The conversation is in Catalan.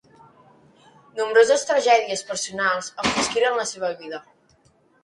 Nombroses tragèdies personals enfosquiren la seva vida.